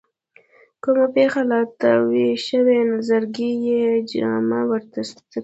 کومه پېښه لا نه وي شوې نظرګي یې جامه ورته سکڼي.